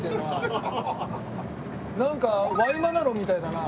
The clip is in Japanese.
なんかワイマナロみたいだな。